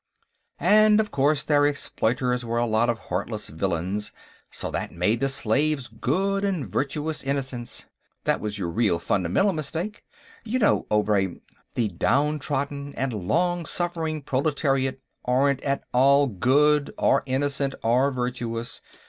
"And, of course, their exploiters were a lot of heartless villains, so that made the slaves good and virtuous innocents. That was your real, fundamental, mistake. You know, Obray, the downtrodden and long suffering proletariat aren't at all good or innocent or virtuous.